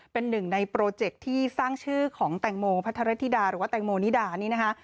เป็นหนึ่งในโปรเจคที่สร้างชื่อของแตงโมพัทรธิดาหรือว่าแตงโมนิดานี่นะคะ